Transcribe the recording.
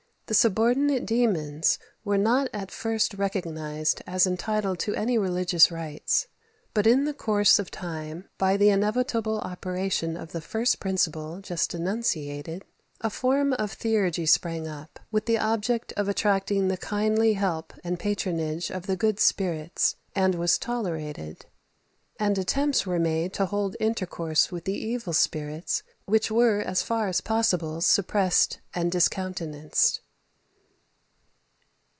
The subordinate daemons were not at first recognized as entitled to any religious rites; but in the course of time, by the inevitable operation of the first principle just enunciated, a form of theurgy sprang up with the object of attracting the kindly help and patronage of the good spirits, and was tolerated; and attempts were made to hold intercourse with the evil spirits, which were, as far as possible suppressed and discountenanced.